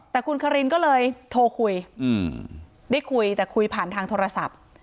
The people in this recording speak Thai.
แต่คุณคารินก็เลยโทรคุยได้คุยแต่คุยผ่านทางโทรศัพท์